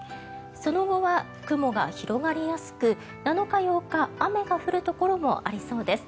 その後は雲が広がりやすく７日、８日雨が降るところもありそうです。